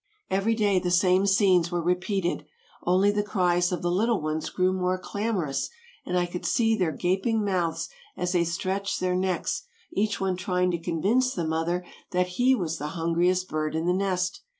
Every day the same scenes were repeated, only the cries of the little ones grew more clamorous, and I could see their gaping mouths as they stretched their necks, each one trying to convince the mother that he was the hungriest bird in the nest.